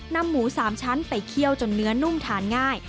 นำหมู๓ชั้นไปเคี่ยวจนเนื้อนุ่มทานง่าย